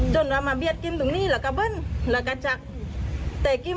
เมื่อก็เป็นสิ่งหนึ่งไม่เชื่อก็เรียกกว่าไม่น่าเขียบ